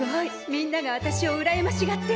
みんなが私をうらやましがってる！